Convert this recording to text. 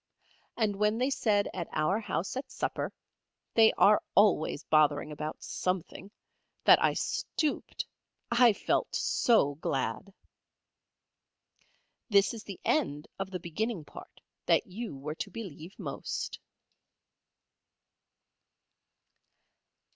And when they said at our house at supper (they are always bothering about something) that I stooped, I felt so glad! This is the end of the beginning part that you were to believe most.